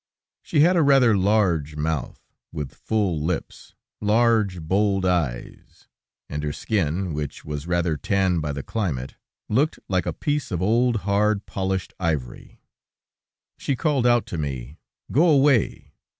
She had a rather large mouth, with full lips, large, bold eyes, and her skin, which was rather tanned by the climate, looked like a piece of old, hard, polished ivory. She called out to me: "Go away!"